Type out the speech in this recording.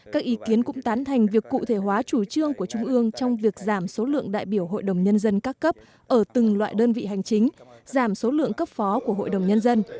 các ý kiến cũng tán thành việc cụ thể hóa chủ trương của trung ương trong việc giảm số lượng đại biểu hội đồng nhân dân các cấp ở từng loại đơn vị hành chính giảm số lượng cấp phó của hội đồng nhân dân